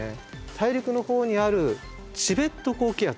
大陸のほうにあるチベット高気圧。